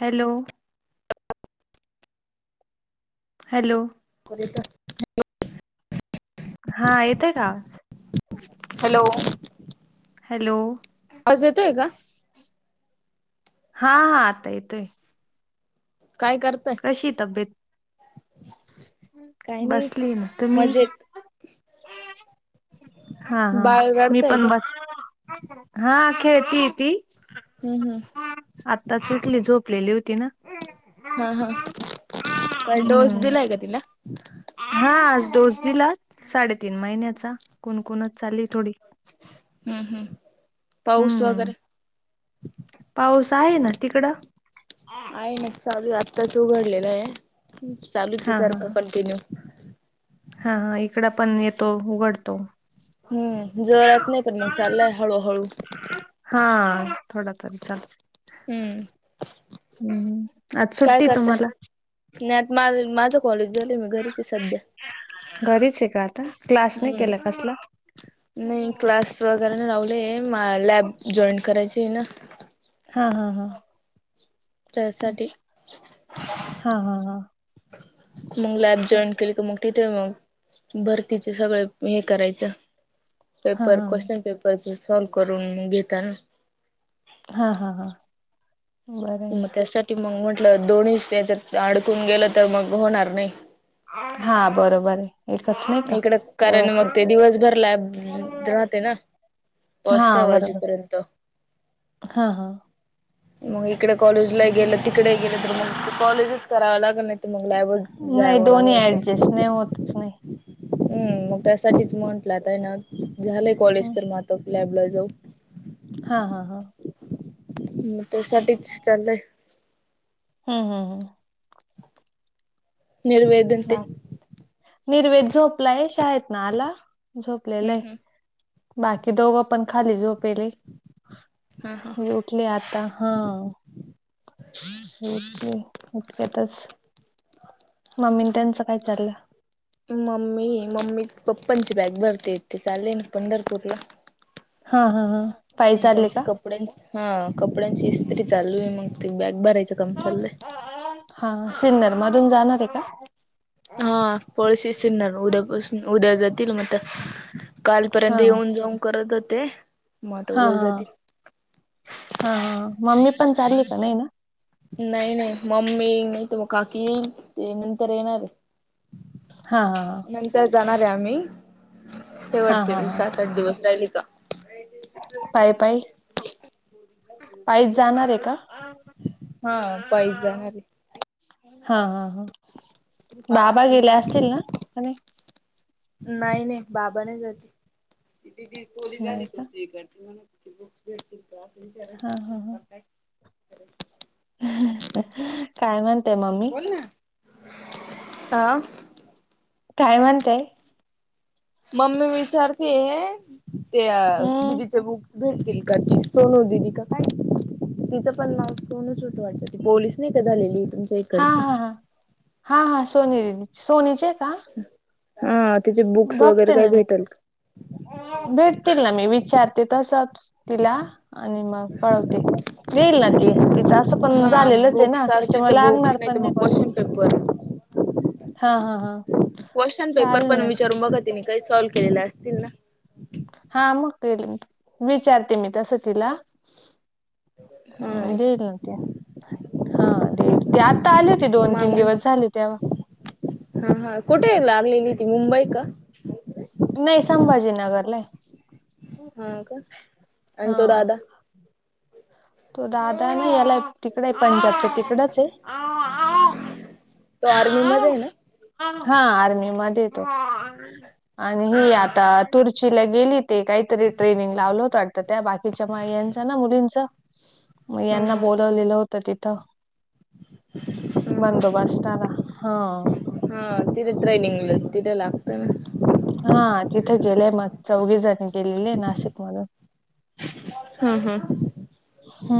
Hello, hello, [unintelligible] हा येतोय का आवाज? Hello, hello. आवाज येतोय का? हा हा आता येतोय. काय कर कशी तब्येत? काही नाही. बसली ना तुम्ही मजेत. हा हा. बाळ मी रडतय पण काय? बस, हा खेळतीये ती. हं हं. आताच ऊटली, झोपलेली होती ना. हं हं. काय डोस हम्म दिलाय का तिला? हा आज डोस दिला, साडेतीन महिन्याचा. कुणकुणच चालुये थोडी. हं हं. पाऊस हम्म वगैरे? पाऊस आहे ना तिकडं आहे ना, चालूये. आत्ताच उघडलेलं आहे नाहीतर चालूच हा हा सारखं ह कंटिन्यू. हा हा. इकड पण येतो उघडतो. हं, जोरात नाही. पण मग चाललाय हळूहळू. हां. थोडा तरी चालूचे. हम्म. हं हं, आज सुट्टी तुम्हाला? ह्यात माज अन माज कॉलेज झालये मी घरीचे सध्या. घरीच आहे का आता क्लास नाही हं. केला कसला नाही क्लास वगैरे नाही लावले. अं लॅब जॉईन करायची आहे ना. हा हां हां. त्यासाठी. अच्छा! हां हां हां. मंग लॅब जॉईन केली का मग तीथ ते मग भरतीचे सगळे हे करायचं हा पेपर क्वेशन पेपर परचे सॉल्व करून घेताना. हां हां हां. म त्यासाठी मग म्हटलं दोन्ही त्याच्यात अडकून गेलं तर मग होणार नाही. हा बरोबर आहे. एकच नाही का इकडं कारण मग ते व्यवस्थित दिवसभर लॅब राहते ना. पाच सहा वाजेपर्यंत. हां हां. मग इकडे कॉलेजला गेलं तिकडे गेलं तर मग कॉलेजच करावं लागल ना. त मग लॅबच नाही जाव दोन्ही लागले असये. ऍडजस्ट नाही होतच नाही. हम्म मग त्यासाठीच म्हंटला आता आहे ना झालंय कॉलेज तर मग आता लॅबला जाऊ. हां हां हां. मग त्यासाठीच चाललंय. हम्म हम्म हम्म. निर्वेद. बाय! निर्वेद झोपलाय शाळेतनं आला. झोपलेलं हम्म आहे हम्म बाकी दोघं पण खाली झोप पेले हा हा. हे उठले आत आता हां हे उठले इतक्यातच. मम्मी त्यांचं काय चाललं? मम्मी मम्मी पप्पांची बॅग भरते ते चालले ना पंढरपूरला. हां हां हां पायी चालले का? कपड्यांचं हां कपड्यांची इस्त्री चालू आहे मग ते बॅग भरायचं काम चाललंय. हां सिन्नर मधून जाणार आहे का? हां पळशी सिन्नर उद्यापासून उद्या जातील मग आता. कालपर्यंत येऊन जाऊन करत होते. मग आता हां उद्या हां जातील. हां हां मम्मी पण चालली का? नाही ना? नाही नाही मम्मी नाही तर मग काकी येईन ते नंतर येणार आहे. हां हां हां. नंतर जाणार आहे आम्ही हा हा शेवटचे हा सात आठ दिवस राहिले का. पायी पायी पायीच जाणार आहे का? हां पायीच जाणार आहे. हां हां हां बाबा गेले आहे. असतील ना? की नाही? नाही नाही बाबा नाही जात. दीदी कोली झाली नाही का तुमची इकडची [inaudible] हा हा हा काय म्हणताय मम्मी? अह. काय म्हणतेय? मम्मी विचारतेय त्या हम्म दिदीचे बुक्स भेटतील का ती सोनू दिदी का काय तिचं पण नाव सोनूच होतं वाटतं ती पोलीस नाही का झालेली. तुमच्या हां इकडची हां हां हां हां सोनी दिदी सोनीचे का? हां. बघते ना मी भेटतील ना, मी विचारते तसं तिला आणि मग कळवते. देईल ना ती, तिचं असं का पण हा झालेलंच आहे ना बुक्स असतील त्याच्यामुळे तर लागणार बुक्स पण तर नाही मग कोणाला. क्वेश्चन पेपर हां हां हां. क्वेस्टियन पेपर पण विचारून बघा तिने काही सॉल्व केलेले असतील ना. हां मग केली विचारते मी तसं तिला. हा देईल ना ती. हां देईल, ती आत्ता आली होती दोन, तीन दिवस झाले तेव्हा. हां हां कुठे लागलेली ती मुंबई का? नाही संभाजीनगर ला आहे. हां का? आणि हा तो दादा तो दादा ना याला तिकड आहे पंजाबच्या तिकडच हाय तो आर्मी मध्ये हाय ना हा आर्मी मध्ये हे तो आणि ह ही ह आता तुर्चीला गेली ते काहीतरी ट्रेनिंग लावलं होतं वाटतां त्या बाकीच्या मायांच ना मुलींच म हं यांना हं बोलवलेलं होत तिथं हं बंदोबस्त हा हा तिथे ट्रेनिंगला तिथे लागत ना हा तिथे गेले म चौघी जण गेलेले नाशिक मधून हू हू हो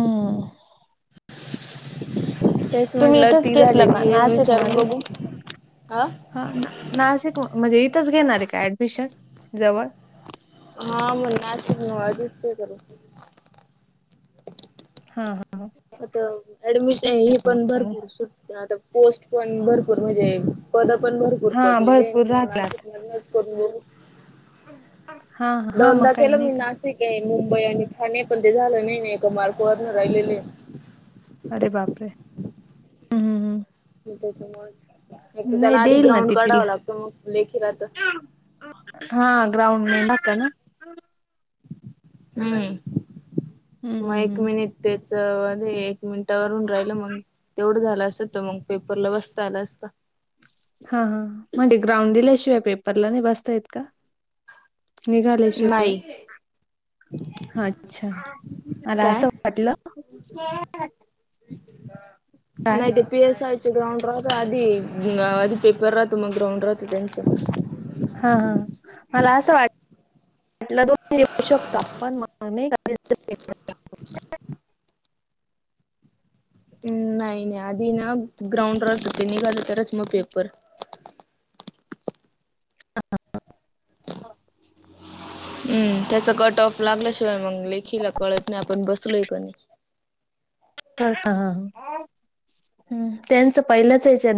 तेच तुम्ही म्हटलं इथंच ती घेतलं झालेली का हे नाशिक विचारून मध्ये? बघू हा हा ना नाशिक म्हणजे इथंच घेणार आहे का ऍडमिशन जवळ हा मला नाशिक [unintelligible] हा हा आता ऍडमिशन हे मग पण काय भरपूर सुट आता पोस्ट पण भरपूर म्हणजे पद पण भरपूर हा पडलेली भरपूर आहे राहतात. नाशिक मधूनच कुठून हा हा मग दोनदा काही केलं नाही मी का ना- शिक आहे मुंबई आणि ठाणे पण ते झालं नाही नाही एका मार्क वरण राहिलेले अरे बापरे हम्म हम्म त्याच मत एक तर नाही त्याला आधी देईल ना ग्राउंड ती काढाव तिला लागतं मग लेखी राहत हा ग्राउंड मेन राहत ना हू हम्म हम्म होय हम्म तुम्ही निघतेच अग एक मिनिटावरून राहिलं मग तेवढं झालं असत तर मग पेपरला बसता आलं असत हाहा म्हणजे ग्राउंड दिल्याशिवाय पेपरला नाही बसता येत का निघाल्याशिवाय नाही अच्छा मला काय असं वाटलं [inaudible] काय नाही ते पी एस आयचे ग्राउंड राहत आधी आधी पेपर राहतो मग ग्राउंड राहत त्यांचं हा हा हा मला असं वाट- आपला दोन येऊ शकतो आपण मग नई का [unintelligible] नाही आधी ना ग्राउंड राहत ते निघाल तरच म पेपर हू त्याचा कट ऑफ का लागल्या शिवाय मग लेखीला कळत नाही आपण बसलोय का नाही ह ह त्यांचं पहिलाच ह्याच्यात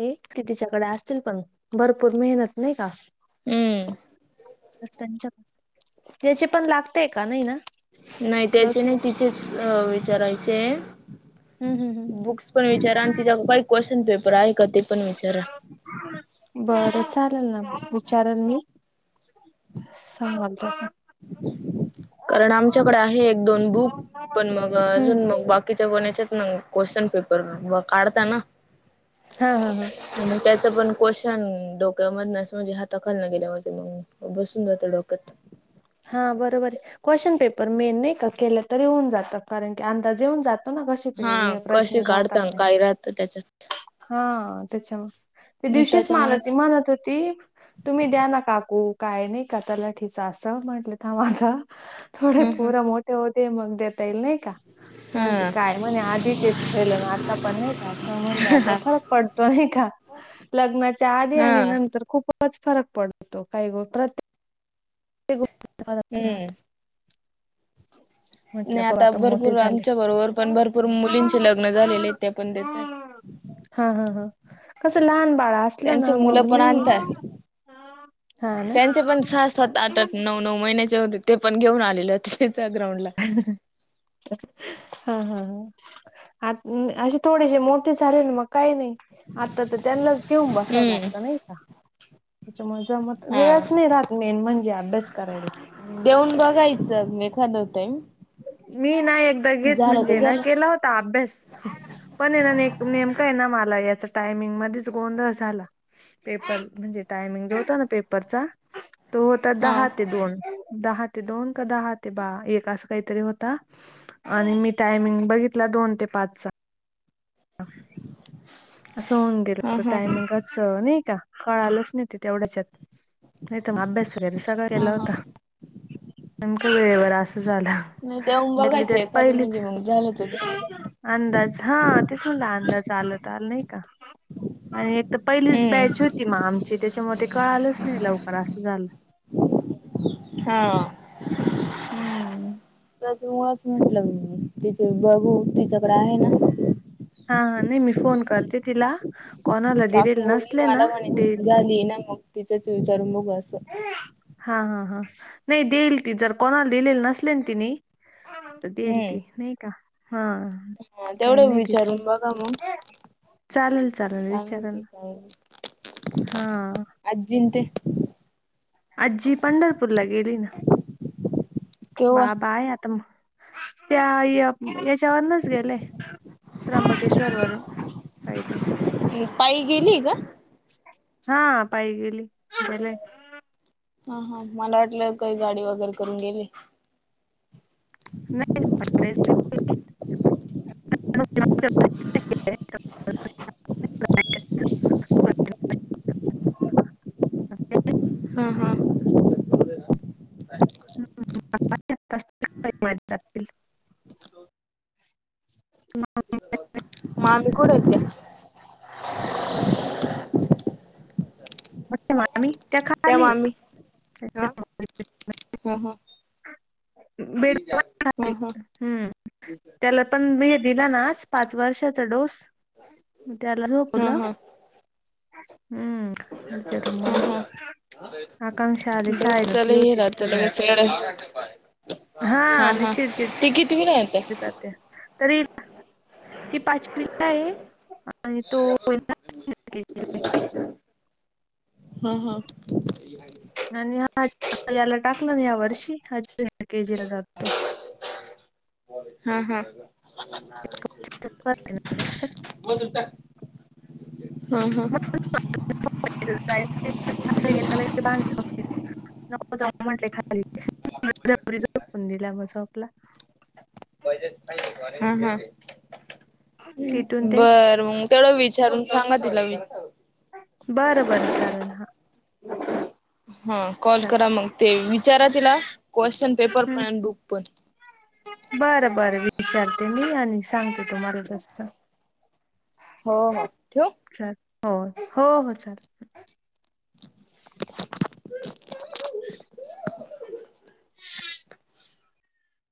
ते तिच्याकडे असतील पण भरपूर मेहनत नाही का हम्म त्याचे पण लागते का नाही ना नाही त्याचे रोशन नाही तिचेच विचारायचे हम्म हम्म हम्म बुक्स पण विचारा आणि तिच्या काही क्वेशचन पेपर आहे का ते पण विचारा बरं चालल ना विचारन मी संवाद त्याचा कारण आमच्याकडे आहे एक दोन बुक पण मग हम्म अजून मग बा कीच्या कोणाच्या मग क्वेशन पेपर काढता ना हा हा हा मग त्याच पण क्वेशन डोक्यामधन म्हणजे हाताखालन गेल्यावरती मग बसून जातं डोक्यात. हा बरोबर क्वेश्चन पेपर मेन नाही का केलं तरी होऊन जात, कारण की अंदाज येऊन जात त न कसे हा पे कशी प्रश्न राहता काढता काय? राहतं त्याच्यात हा त्याच्या मुळे त्या दिवशीच मला ती त्याच्यामुळेच म्हणत होती तुम्ही द्या ना काकू काय नाही का तलाठीच असं म्हटलं थांब आता थोडे हम् हम पोरं मोठ ते होऊ दे मग देता येईल नाही का म्हणते हा काय म्हणे आधी तेच केलं आता पण नाही का असं म्हणाले अगं फरक पड तो नाही का? लग्नाच्या आधी आणि हा नंतर खूपच फरक पडतो काही ग प्रत्ये क गोष्टीत फरक हम्म राहतो. म्हटलं नाही पाहू आता मोठे भरपूर झाले आमच्या बरोबर पण भरपूर मुलींचे लग्न झालेले आहेत, ते पण देतय [unintelligible] हा हा हा कसं लहान बाळा असलं त्यांचे ना मुलं मग पण नाही. आणतात हा ना त्यांचे पण सहा सहात आठ आठ नऊ नऊ महिन्याचे होते ते पण घेऊन आलेले होते ते त्या ग्राउंड ला. हा हा हा आ अशे थोडेसे मोठे झाले न मग काही नाही. आता तर त्यांनाच घेऊन बसावं हम्म लागत नाही का? त्याच्यामुळे जमत हा वेळच नाही राहत मेन म्हणजे अभ्यास करायला. देऊन बघायचं म्हणजे एखाद टाईम. मी ना एकदा घेत झालं तर म्हणजे ना झालं केला होता अभ्यास. पण ये ना ने नेमका आहे ना मला याचा टायमिंग मध्येच गोंधळ झाला. पेपर म्हणजे टायमिंग जो होता न पेपर चा तो होता हा दहा ते दोन दहा ते दोन का दहा ते बा एक अस. काहीतरी होता आणि मी टायमिंग बघितला दोन ते पाचचा. असं होऊन गेल हा होत हा हा टायमिंगात सरळ नाही का कळालच नाही ते तेवढ्या ह्याच्यात. नाही तर म अभ्यास वगैरे सगळं केलं हा. होतं. नेमक वेळेवर असं झालं, त्यातली त्यात पहिलीच. पहिलेच [unintelligible] अंदाज हा तेच म्हटलं अंदाज आल तर आल नाही का? आणि एक तर पहिलीच बॅच हम्म होती मग आमची त्याच्यामध्ये कळालंच नाही लवकर असं झालं. हा हम्म त्याच्यामुळेच म्हणलं मी तिचे बघू तिच्याकड आहे ना. हा हा नाही मी फोन करते तिला. कोणाला काकी दिलेले बोली नसले ना मला म्हणे ती देईल झाली ना मग तिच्याची विचारून बघू असं. हा हा हा नाही देईल ती जर कोणाला दिलेल नसले न तिनी त देईल हम्म ती नाही का? हा हा तेवढ काही नाही तिचं विचारून बघा मग चालेल चालेल काय विचारा म्हणती ना काय हा नाही. आजींन ते आजी पंढरपूरला गेली न केव्हा बाबा आहे आता म त्या या याच त्यावरूनच गेले त्र्यंबकेश्वर वरून पाई पाई. पायी गेली का? हा पायी गेली, गेले. हा हा मला वाटलं काही गाडी वगैरे करून गेली. नाही नाही पायीच गेली [unintelligible] [inaudible] गेले. अच्छा. हं- हं. [inaudible] [inaudible] मामी कुठे आहे त्या? मोठ्या मामी त्या त्याखाली [inaudible] मामी [unintelligible] ह खाली - ह. हम्म त्याला पण, मी दिलं ना पाच वर्षाचा डोस, म त्याला हा झोपवलं. हा हम्म. वरच्या रूममध्ये. [unintelligible] डोस त लई हे रात तर बाई [inaudible] हा.. लय -हा... चिडचिड ती कितवीला आहे आता? तरी. [inaudible] ती पाच कि आहे. आणि तो [unintelligible] हा.. - हा.. [inaudible] आणि हा याला टाकला ना. या वर्षी आणि हा जूनियर के जीला जातो. हम्म.. - हम्म.. [inaudible] [unintelligible] मधून टाक हम्म [inaudible] -हम्म. नको जाऊ म्हटले [inaudible] बळजबरी झोपून गेला मग झोपला. [inaudible] हम्म.. -हम्म.. तिथून ते बर. मग तेवढं विचारून सांगा. तिला बरं.. - बरं... चालेल. हा हा कॉल चालेल करा. मग ते विचारा तिला क्वेश्चन पेपर हम्म. पण आणि बुक पण. बरं.. - बरं.. विचारते मी आणि सांगते. तुम्हाला तस. [inaudible] हो... - हो... ठेऊ? हो... - हो... - हो.. चालेल. [inaudible]